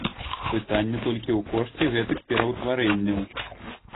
Пытанне толькі ў кошце гэтых пераўтварэнняў.